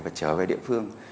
và trở về địa phương